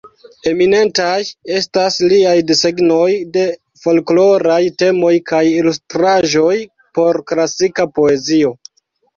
Eminentaj estas liaj desegnoj de folkloraj temoj kaj ilustraĵoj por klasika poezio.